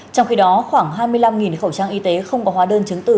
trong khi đó khoảng hai mươi năm khẩu trang y tế không có hóa đơn chứng từ